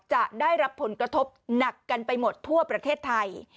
จะได้รับผลกระทบหนักกันไปหมดทั่วประเทศไทย